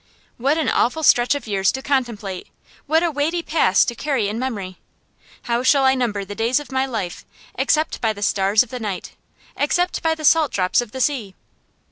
What an awful stretch of years to contemplate! What a weighty past to carry in memory! How shall I number the days of my life, except by the stars of the night, except by the salt drops of the sea?